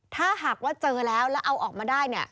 ถ้าหากว่าเจอแล้วแล้วเอาออกมาได้เนี่ย